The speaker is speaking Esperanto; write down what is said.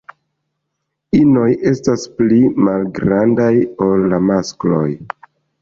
Inoj estas pli malgrandaj ol la maskloj.